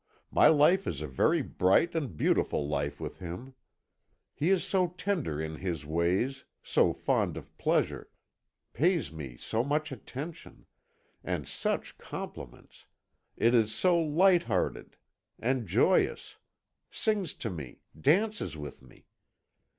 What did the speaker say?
My life is a very bright and beautiful life with him. He is so tender in his ways so fond of pleasure pays me so much attention, and such compliments is so light hearted and joyous sings to me, dances with me!